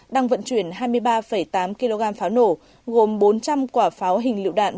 đang vận chuyển hai mươi ba tám kg pháo nổ gồm bốn trăm linh quả pháo hình lựu đạn